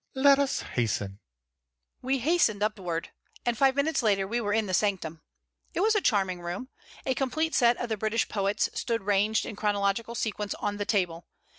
"But come, let us hasten." We hastened upward, and five minutes later we were in the sanctum. It was a charming room. A complete set of the British Poets stood ranged in chronological sequence on the table.